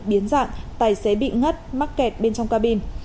biến dạng tài xế bị ngất mắc kẹt bên trong cabin